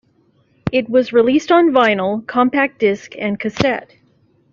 It was released on vinyl, compact disc and cassette.